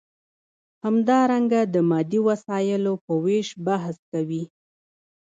همدارنګه د مادي وسایلو په ویش بحث کوي.